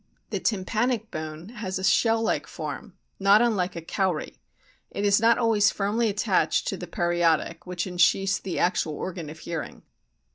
The tympanic bone (Fig. 12) has a shell like form, not unlike a cowrie ; it is not always firmly attached to the periotic, which ensheathes the actual organ of hearing.